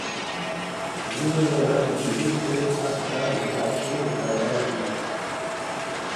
Egunero erakutsi du zein azkar, idartsu eta erabakigarria den.